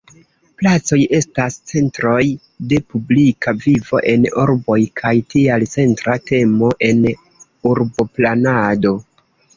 Placoj estas centroj de publika vivo en urboj kaj tial centra temo en urboplanado.